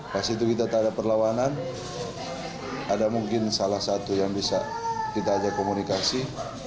pas itu kita tak ada perlawanan ada mungkin salah satu yang bisa kita ajak komunikasi